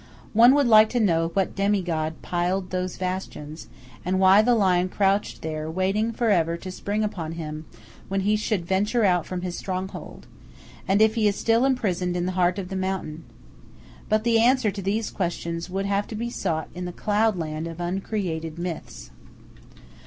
One would like to know what demi god piled those bastions; and why the lion crouched there, waiting for ever to spring upon him when he should venture out from his stronghold; and if he is still imprisoned in the heart of the mountain. But the answer to these questions would have to be sought in the cloudland of uncreated myths.